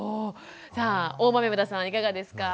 さあ大豆生田さんいかがですか？